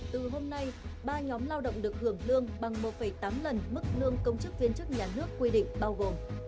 từ hôm nay ba nhóm lao động được hưởng lương bằng một tám lần mức lương công chức viên chức nhà nước quy định bao gồm